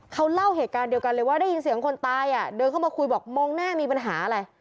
เขาเล่าเหตุการณ์เดียวกันเลยว่าได้ยินเสียงคนตายอ่ะเดินเข้ามาคุยบอกมองหน้ามีปัญหาอะไร